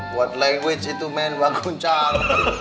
buat language itu main wakun cal